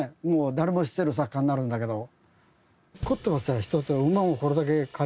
誰もが知ってる作家になるんだけど。